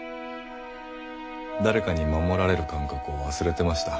誰かに守られる感覚を忘れてました。